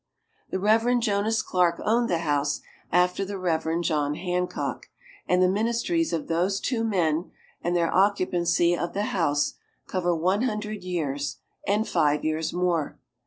The Reverend Jonas Clark owned the house after the Reverend John Hancock, and the ministries of those two men, and their occupancy of the house, cover one hundred years and five years more.